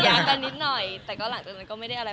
กันนิดหน่อยแต่ก็หลังจากนั้นก็ไม่ได้อะไร